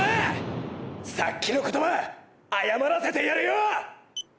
さっきの言葉謝らせてやるよ！！